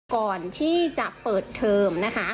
ก่อนที่จะเปิดเทอร์ม